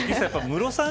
ムロさん